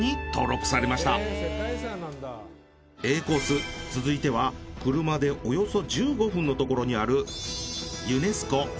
Ａコース続いては車でおよそ１５分のところにある。